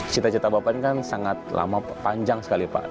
cita cita bapak ini kan sangat lama panjang sekali pak